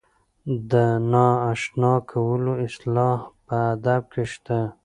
د نااشنا کولو اصطلاح په ادب کې شته.